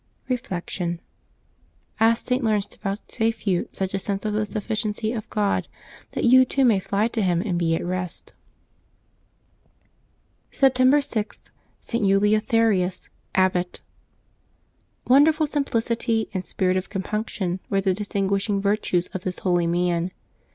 Reflection. — Ask St. Laurence to vouchsafe you such a sense of the suflSciency of God that you too may fly to Him and be at rest. September 6.— ST. ELEUTHERIUS, Abbot. Jul' WONDERFUL simplicity and spirit of compunction were SJ. the distinguishing virtues of this holy man.